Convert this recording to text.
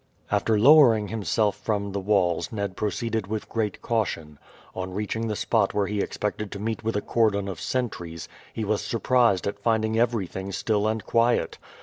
After lowering himself from the walls Ned proceeded with great caution. On reaching the spot where he expected to meet with a cordon of sentries, he was surprised at finding everything still and quiet.